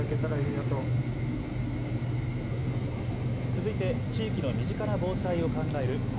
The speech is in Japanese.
続いて地域の身近な防災を考える＃